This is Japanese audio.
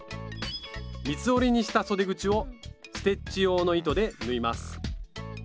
三つ折りにしたそで口をステッチ用の糸で縫います。